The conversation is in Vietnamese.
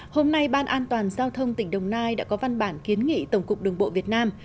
hôm nay ban an toàn giao thông tỉnh đồng nai đã có văn bản kiến nghị tổng cục đường bộ việt nam